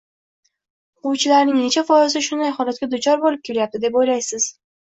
O‘quvchilarning necha foizi shunday holatga duchor bo‘lib kelyapti, deb o‘ylaysiz?